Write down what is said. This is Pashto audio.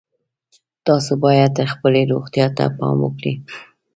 تاسو باید خپلې روغتیا ته پام وکړئ